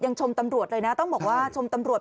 ชมตำรวจเลยนะต้องบอกว่าชมตำรวจ